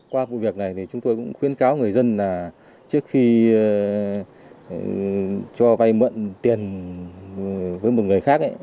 qua vụ việc này thì chúng tôi cũng khuyến cáo người dân là trước khi cho vay mượn tiền với một người khác